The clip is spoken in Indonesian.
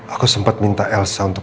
aku sempat minta elsa untuk